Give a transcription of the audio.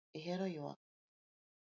Ihero ywak